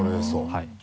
はい。